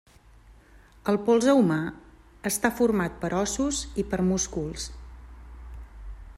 El polze humà està format per ossos i per músculs.